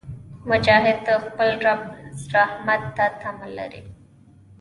مجاهد د خپل رب رحمت ته تمه لري.